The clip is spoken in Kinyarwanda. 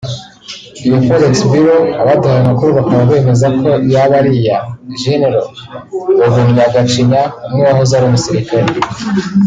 Iyo Forex Bureau abaduhaye amakuru bakaba bemeza ko yaba ari iya Gen Rugumya Gacinya umwe wahoze ari umusirikare